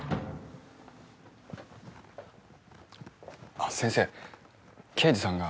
あ先生刑事さんが。